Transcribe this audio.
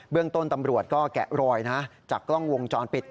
เรื่องต้นตำรวจก็แกะรอยนะจากกล้องวงจรปิด